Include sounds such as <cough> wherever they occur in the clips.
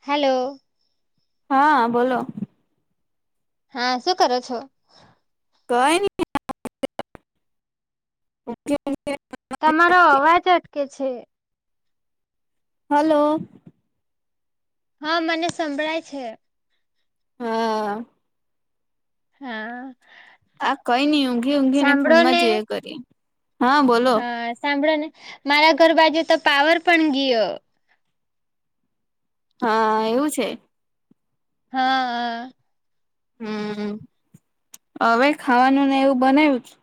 Hello હા બોલો હા શું કરો છો <unintelligible> ઓકે તમારો અવાજ અટકે છે હલો હા મને સંભળાય છે હા હા આ કઈ નઈ ઊંઘી ઊંઘી ને ફોનમાં જોઈએ કરી હા બોલો હા સાંભળો ને મારા ઘર બાજુ તો પાવર પણ ગયો હા એવું છે હા હમ હવે ખાવાનું ને એવું બનાવ્યું છે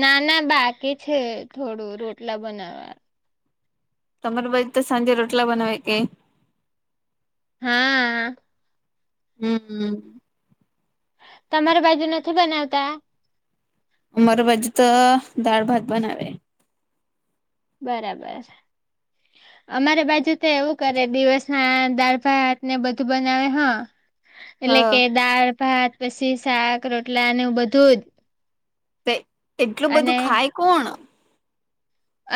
ના ના બાકી છે થોડું રોટલા બનાવા તમાર બજ તો બનાવે કે હા હમ તમારી બાજુ નથી બનાવતા ઉમર બાજ તો દાળ ભાત બનાવે બરાબર અમારે બાજુ તો એવું કરે દિવસ હા દાળ ભાત ને બધું બનાવે હા હા કે દાળ પછી શાક રોટલાને બધું જ એટલું બધું અને ખાય કોણ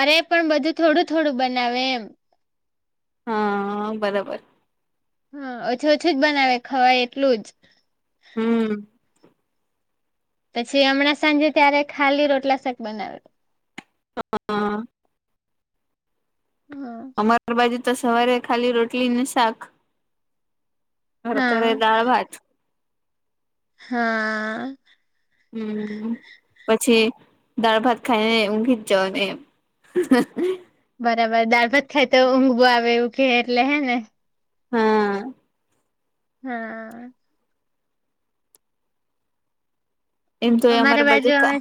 અરે પણ બધું થોડું થોડું બનાવે એમ હા બરાબર હા ઓછુ ઓછુ જ બનાવે ખવાય એટલું જ હમ પછી હમણાં સાંજે ત્યારે ખાલી રોટલા શાક બનાવે હા હા અમાર બાજુ તો સવારે ખાલી રોટલી ને શાક હા રાત્રે દાળ ભાત હા હમ પછી દાળ ભાત ખાઈને ઊંઘી જ જાવ ને એમ હ <unintelligible> બરાબર દાળભાત ખાય તો ઊંઘ આવે એવું કે એટલે હે ને હા હમ એમ તો એ અમારે અમારા બાજુ બધું અમે કા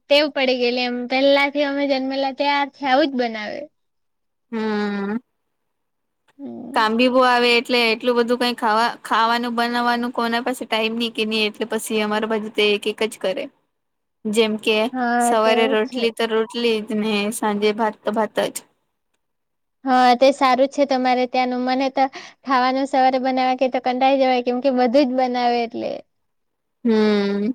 ટેવ પડી ગયેલી એમ પેલા થી અમે જન્મેલા ત્યારથી આવું જ બનાવે હમ હમ કામબીબો આવે એટલે એટલું બધું કઈ ખાવા ખાવાનું બનાવવાનું કોના પાસે ટાઈમ ની કે ની એટલે પછી અમારા બાજુ તો એક એક જ કરે <inaudible> જેમ કે હા સવારે તેવું છે રોટલી તો રોટલી જ ને સાંજે ભાત તો ભાત જ હા તે સારું છે તમારે ત્યાંનું મને તો ખાવાનું સવારે બનાવવા કે તો કંટાળી જવાય કેમ બધુંજ બનાવે એટલે હમ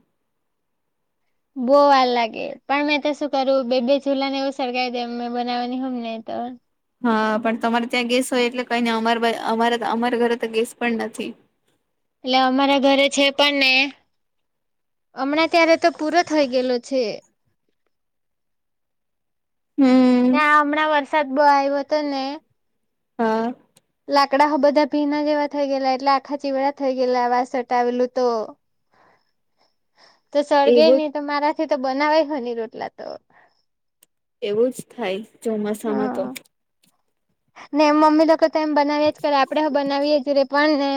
બઉ વાર લાગે પણ મેં તો શું કરું બે બે ચુલા ને એવું સળગાવી દેવ મેં બનાવવાની હોય ને તો હા પણ તમારે ત્યાં ગેસ હોય એટલે કઈ નઈ અમા અમારા અમારા ઘરે તો ગેસ પણ નથી એટલે અમારા ઘરે છે પણ ને હમણાં ત્યારે તો પૂરો થઇ ગયેલો છે હમ. ના હમણાં વરસાદ બવ આવ્યો તો ને હા લાકડા બધા ભીના જેવા થઈ ગયે એટલે આખા ચીવડા થઈ ગયલા આવા વાસટ આવેલું તો તો સળગે એવું નહી તો મારાથી તો બનાવાય નીહો રોટલા તો એવું જ થાય ચોમાસામાં તો હા ને મમ્મી તો લોકો તો એમ બનાવી્યા જ કરે આપડે હૌ બનાવીએે જ રે પણ ને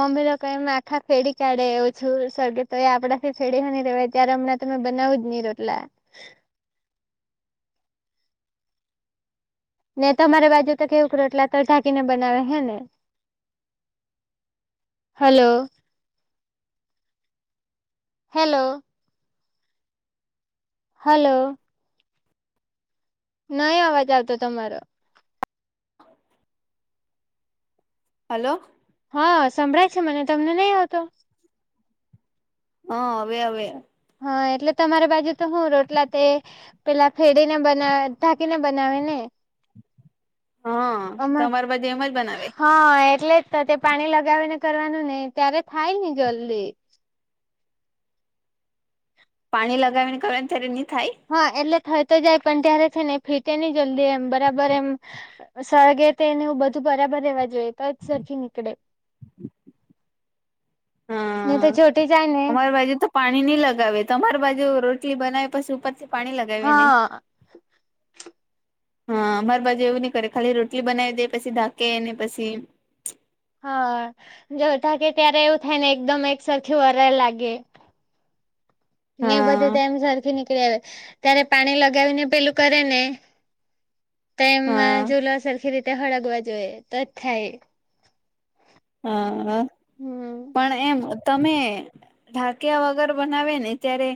મમ્મી લોકો એમ આખા ફેડી કાઢે એવું ઓછું સળગે તો એ આપડે ફેડવાની રહેવાય ત્યારે હમણાં તો મે બનાવું જ ની રોટલા ને તમારી બાજુ તો કેવું રોટલા તો ઢાકીને બનાવે હે ને હલો. હેલો. હલો. નઈ અવાજ આવતો તમારો હલો. હા સંભળાય છે મને તમને નહીં આવતો હા હવે હવે હા એટલે તમારી બાજુ તો હું રોટલા તે પેલા ફેડી ને બનાવે, ઢાકીને બનાવે ને. હા અમાર તમારી બાજુ એમ જ બનાવે હા હા એટલે જતો તે પાણી લગાવી ને કરવાનું ને ત્યારે થાય ની જલ્દી. પાણી લગાવીને કરવાનું ત્યારે નહી થાય? હા એટલે થઈ તો જાય પણ ત્યારે છે ને ફીટે નહીં જલ્દી એમ બરાબર એમ સળગે તે એને બધું બરાબર રહેેવા જોઈએ તો જ સરખી નીકળે. નહી તો હા ચોટી જાય ને અમારે બાજુ તો પાણી નહી લગાવે તમારી બાજુ રોટલી બનાવે પછી ઉપરથી પાણી લગાવે ને? <inaudible> હા અમારી બાજુ એવું નઈ કરે ખાલી રોટલી બનાવી દે પછી ઢાંકે ને પછી હા જો ઢાંકે ત્યારે એવું થાય ને એકદમ એક સરખી વરાડ લાગે. ને બધે હા તેમ સરખી નીકળી આવે. ત્યારે પાણી લગાવીને પેલું કરે ને તો એમ હા ચૂલો સરખી રીત તે હળગવા જોઈએ તો જ થાય. હા હ હમ્મ. પણ એમ તમે ઢાંક્યા વગર બનાવે ને ત્યારે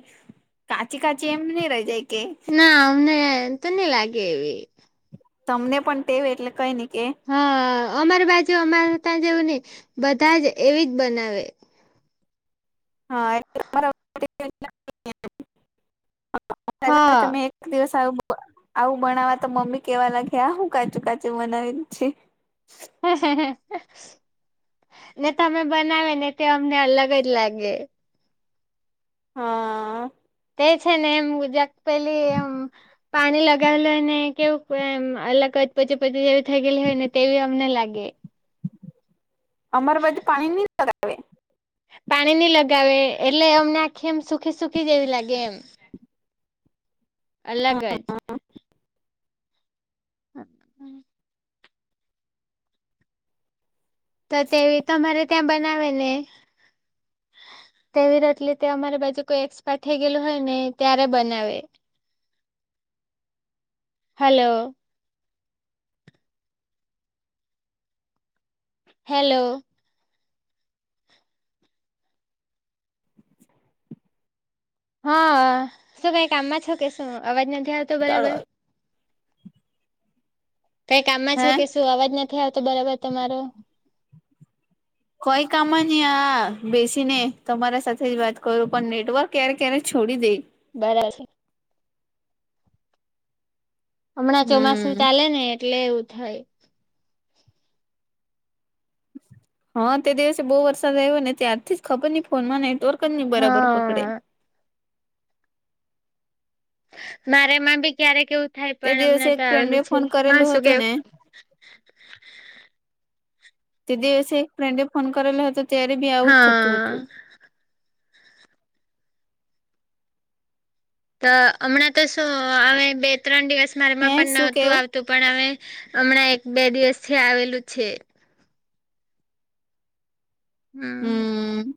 કાચી કાચી એમ ની રહી જાય કે? ના અમને એમ તો નહી લાગે એવી. તમને પણ ટેવ એટલે કઈ નહી કે. હા અમારી બાજુ અમારે ત્યાં જેવું નહીં બધા જ એવી જ બનાવે. હા એટલે <unintelligible> હા તમે એક દિવસ આવું આવું બનાવા તો મમ્મી કેવા લાગ્યા આ હું કાચું કાચું બનાવી છે. ને તમે બનાવે ને તે અમને અલગ જ લાગે. હા હા. એ છે ને એમ મું જાક પેલી આમ પાણી લગાવેલુ હોય ને કેવું એમ અલગ જ પછી પછી જેવુ થઈ ગેલી હોય ને તેવી અમને લાગે. અમારે બાજુ પાણી નહી લગાવે. પાણી નહી લગાવે એટલે અમને આખી એમ સુખી સુખી જેવી લાગે એમ. અલગ જ. હા હમ્મ. તો તેવી તમારે ત્યાં બનાવે ને? તેવી રોટલી તે અમારી બાજુ કોઈ એક્સપાયર થઇ ગયેલું હોય ને ત્યારે બનાવે. હલો, હેલો, હા શું કઈ કામમાં છો કે શું? અવાજ નથી આવતો બરાબર? કઈ કામમાં છો હે કે શું અવાજ નથી આવતો બરાબર તમારો. કોઈ કામ નહી આ બેસી ને તમારા સાથે જ વાત કરું. પણ નેટવર્ક ક્યારે ક્યારે છોડી દે. બરા છે. હમણાં ચોમાસું હમ. ચાલે ને એટલે એવું થાય. હા તે દિવસે બહુ વરસાદ આવ્યો ને ત્યારથી જ ખબર નહી ફોનમાં નેટવર્ક જ નહી બરાબર પકડે. હા મારે માં ભી ક્યારેક એવું થાય તે પણ દિવસે હમણાં એક તો ફ્રેન્ડે આવેલું છે ફોન કરેલો હહ શું હતો કેવ? ને તે દિવસે એક ફ્રેન્ડે ફોન કરેલો હતો ત્યારે બી આવું જ થતું હા હતું. તો હમણાં તો શું હવે બે ત્રણ દિવસમા હે મારેમાં પણ શું નહોતું કેવું આવ તું પણ હવે હમણાં એક બે દિવસથી આવેલું છે. હમ,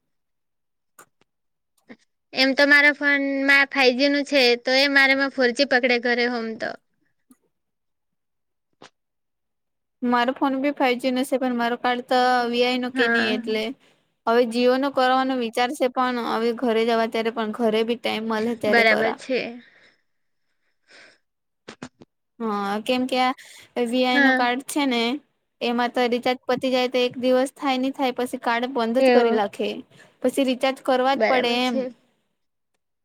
એમ તો મારા ફોનમા ફાઈવજી નું છે એ તો એ મારે ફોરજી પકડે ઘરે હોમ તો, મારો ફોન બી ફાઈવ જી નો છે પણ મારો કાર્ડ તો વીઆઈ નો કે ની હા એટલે, હવે જીઓ નો કરવાનો વિચારશે પણ હવે ઘરે જવા ત્યારે પણ ઘરે બી, ટાઈમ મળે ત્યારે બરાબર કરા, છે. હા કેમ કે આ વી આઈ નો હા કાર્ડ, છે ને એમાં તો રિચાર્જ પતી જાય તો એક દિવસ થાય નહી થાય પછી કાર્ડ બંધ જ કરી એવું નાખે, પછી રિચાર્જ કરવા જ પડે બરાબર એમ, છે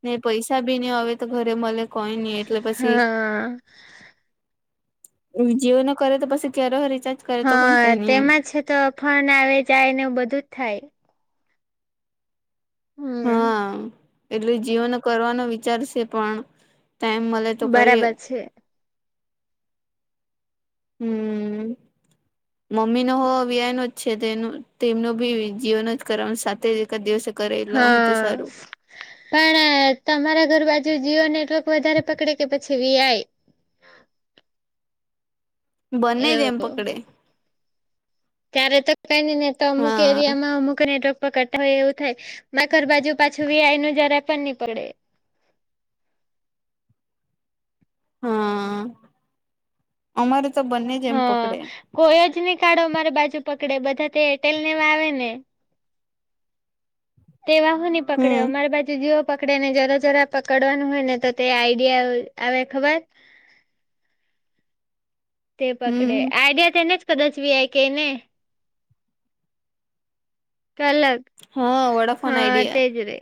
અને પૈસા બી નહી હવે તો ઘરે મળે કોઈ નહી એટલે પછી, હા જીઓ નો કરે તો પછી ક્યારે રિચાર્જ, કરે તો પણ હા કઈ નઈ એમ તેમાં છે તો ફોન આવે જાય ને બધું જ થાય. હા હમ એટલે જીયોનો કરવાનો વિચારશે પણ, ટાઈમ મળે તો કરી બરાબર એ, છે હમ <inaudible> મમ્મી નો હો વી આઈ નો જ છે તેનું તેમનો ભી જીયો નો જ કરવા સાથે એક દિવસે કરવી લઉ તો સારું. હા પણ તમારા ઘર બાજુ જીઓ નેટવર્ક વધારે પકડે કે પછી વી આઈ. બંને જ એમ એવું પકડે, ત્યારે તો કઈ નહી ને તો અમુક હા એરિયા માં અમુક નેટવર્ક પકડતા હોય એવું થાય, મારા ઘર બાજુ પાછું વી આઈ નો જરા પણ નહી પકડે. હા, અમારે તો બંને જ એમ હા પકડે. કોઈ જ નહી કાઢો મારે બાજુ પકડે બધા તે એરટેલ લેવા આવે ને, તે વા હું ની પકડે હમ અમારી બાજુ જીઓ. પકડે ને જરા જરા પકડવાનું હોય ને તો તે આઈડિયા આવે ખબર, તે પકડે હમ આઈડિયા તેને કદાચ વી આઈ કે ને, કલર હા વડાફોન હા આઈડિયા તેજ રે,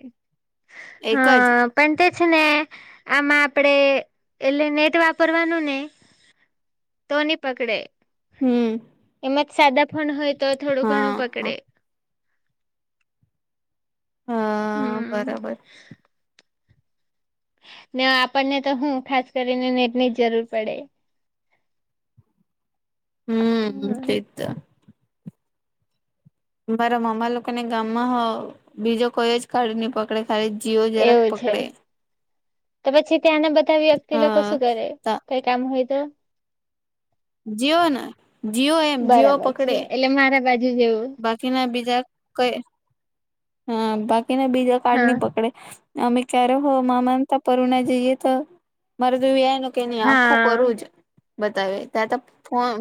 એક જ હા પણ તે છે ને આમાં આપણે એટલે નેટ વાપરવાનું નહીં. તો નહી પકડે, હમ એમ જ સાદા ફોન હોય તો થોડું ઘણું હા પકડે. હા હમ બરાબર, ને આપણને તો હું ખાસ કરીને નેટની જ જરૂર પડે. હમ તે જ તો. મારા મામા લોકોને ગામમાં બીજો કોઈ જ કાર્ડ નહી પકડે ખાલી જીઓ જ એવું છે તો પછી ત્યાંના બધા વ્યક્તિ લોકો હા શું કરે ત કઈ કામ હોય તો જીઓ ને જીઓ એમ જીઓ બરાબર છે પકડે એટલે મારા બાજુ જેવું બાકીના બીજા કઈ હા બાકીના બીજા કાર્ડ હા નહી પકડે પછી અમે જ્યારે હો મામા તે ત્યાં પરુણા જઈએ તો મારું જે વી આઈ નો કે નહી આખું હા કોરું જ બતાવે ત્યાં તો ફોન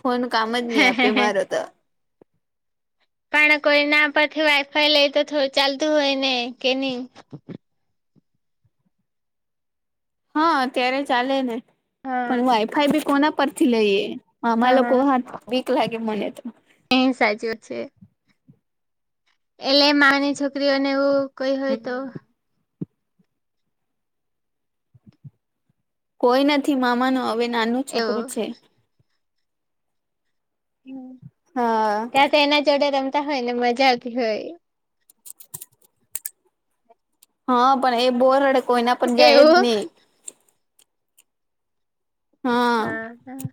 ફોન કામ જ નહી આપે મારે તો પણ કોઈના પરથી વાઈફાઈ લઈ તો થોડું ચાલતું હોય ને કે નહી હા ત્યારે ચાલે ને પણ હા વાઈફાઈ કોના પરથી મામા હા. લોકો હાથ બીક લાગે મને તો એ સાચવુ છે એટલે મામા ની છોકરીઓને એવું કઈ હોય તો હમ કોઈ નથી મામાનું હવે નાનું એવું છોકરું છે હમ હા ત્યાં તો એના જોડે રમતા હોય ને મજા આવતી હોય હા પણ એ બહુ રડે કોઈના પર જાય જ એવું. નહી હા હા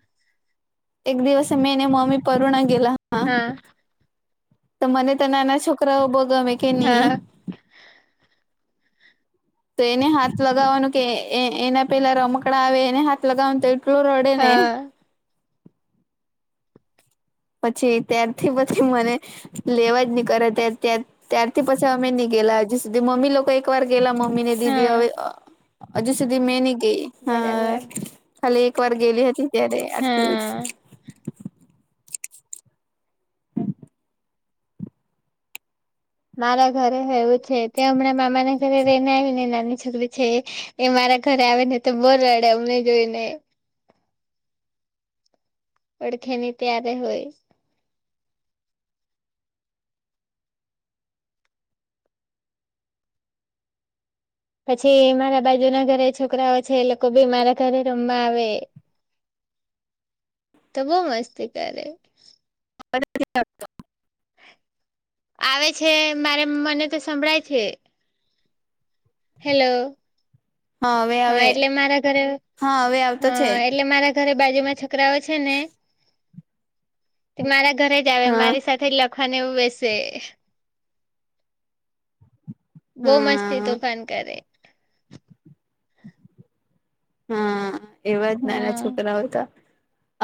એક દિવસે મે ને મમ્મી પરુણા ગેલા હા તો મને તો નાના છોકરાઓ બો ગમે કે નહી હા તો એને હાથ લગાવવાનું કે એના પેલા રમકડા આવે એને હાથ લગાવવાનું તો મલૂરોડે ને હા પછી ત્યારથી પછી મને લેવા નહી ત્યારે તં ત્યારથી પછી અમે નહી ગેલા હજી સુધી મમ્મી લોકો એક વાર ગેલા મમ્મી ને દીદી હા હવે હજ સુધી મેનની ગઈ હા બરાબર ખાલી એક વાર ગેલી હતી ત્યારે આટલું જ હા મારા ઘરે હોવું છે ત્યાં હમણાં મામા ના ઘરે રઈને આવીને નાની છોકરી છે એ મારા ઘરે આવે ને તો બર રડે અમને જોઈને પડખે ની ત્યારે હોય પછી મારા બાજુ ના ઘરે છોકરાઓય છે એ લોકો બી મારા ઘરે રમમાં આવે તો બહ મસ્તી કર હ <unintelligible> આવે છે મારે મને તો સંભળાય છે હેલો હવે હા આવે એટલે મારા ઘરે હા હવે આવતો છે હા એટલે મારા ઘરે બાજુમાં છકરાઓ છે ને તે મારા ઘરે જ આવે હા મારી સાથે ખને બેસે બહુ મસ્તી તો હા ફાન કરે હા એવા જ નાના હા છોકરા હતા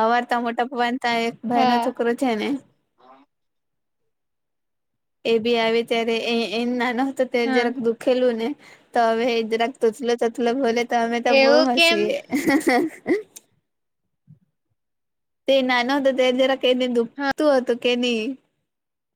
અવારતા મોટા પગવાન ત એક ભાઈ નો હા છોકરો છે ને એ બી આવે ત્યારે એ એ નાનો હતો ત્યારે હા જ્યારેક દુ ખેલું ને તોમે એજરા તોતલો ભોલે તો તો બો એવું કેમ હસી હ હ <unintelligible> તે નાનો હતો તે જરા કેને હ દુખતું હતું કેની